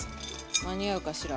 間に合うかしら？